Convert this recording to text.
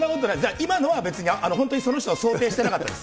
今のは別に本当にその人を想定してなかったんです。